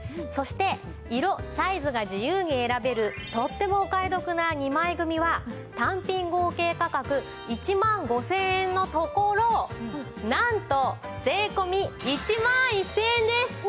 そして色サイズが自由に選べるとってもお買い得な２枚組は単品合計価格１万５０００円のところなんと税込１万１０００円です。